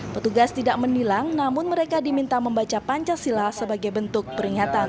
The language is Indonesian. petugas tidak menilang namun mereka diminta membaca pancasila sebagai bentuk peringatan